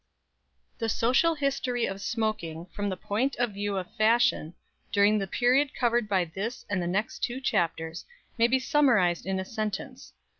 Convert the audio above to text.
_ The social history of smoking from the point of view of fashion, during the period covered by this and the next two chapters may be summarized in a sentence.